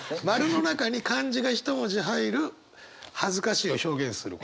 ○の中に漢字が一文字入る恥ずかしいを表現する言葉。